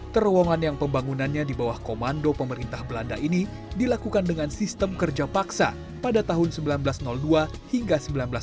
terowongan yang pembangunannya di bawah komando pemerintah belanda ini dilakukan dengan sistem kerja paksa pada tahun seribu sembilan ratus dua hingga seribu sembilan ratus sembilan puluh